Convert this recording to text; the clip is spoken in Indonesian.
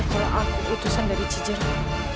kalau aku utusan dari jujur